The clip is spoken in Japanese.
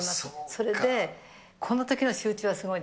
それで、このときの集中はすごい